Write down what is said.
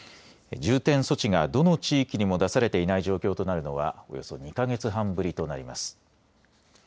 重点措置がどの地域にも出されていない状況となるのはおよそ２か月半ぶりとなります。